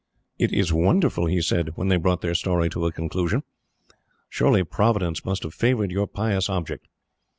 "It is wonderful," he said, when they brought their story to a conclusion. "Surely Providence must have favoured your pious object.